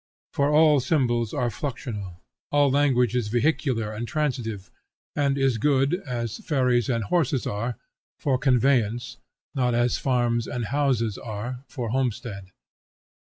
For all symbols are fluxional; all language is vehicular and transitive, and is good, as ferries and horses are, for conveyance, not as farms and houses are, for homestead.